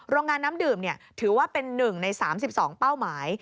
โรงงานน้ำดื่มถือว่าเป็น๑ใน๓๒เป้าหมาย